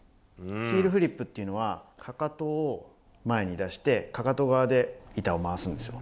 ヒールフリップっていうのは、かかとを前に出して、かかと側で板を回すんですよ。